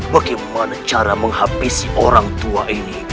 bagaimana cara menghampisi orang tua ini